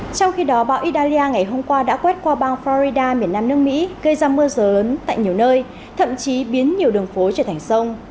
trong khi đó bão italia ngày hôm qua đã quét qua bang florida miền nam nước mỹ gây ra mưa dớn tại nhiều nơi thậm chí biến nhiều đường phố trở thành sông